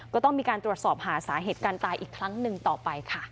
ก็ต้องมีการตรวจสอบหาสาเหตุการตายอีกครั้งหนึ่งต่อไปค่ะ